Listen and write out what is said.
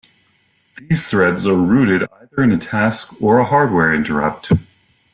These threads are rooted either in a task or a hardware interrupt.